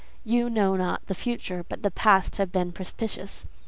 We know not the future, but the past has been propitious.